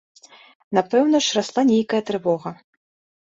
Напэўна ж, расла нейкая трывога.